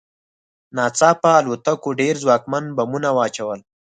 ناڅاپه الوتکو ډېر ځواکمن بمونه واچول